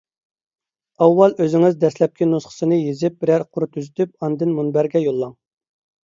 ئاۋۋال ئۆزىڭىز دەسلەپكى نۇسخىسىنى يېزىپ بىرەر قۇر تۈزىتىپ، ئاندىن مۇنبەرگە يوللاڭ.